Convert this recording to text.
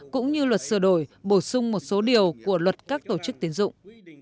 cũng như luật sửa đổi bổ sung một số điều của luật các tổ chức tiến dụng